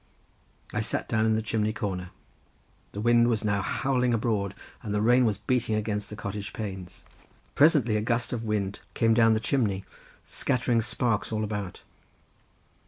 I sat down in the chimney corner. The wind was now howling abroad, and the rain was beating against the cottage panes—presently a gust of wind came down the chimney, scattering sparks all about.